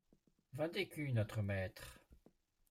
Vingt écus, notre maître.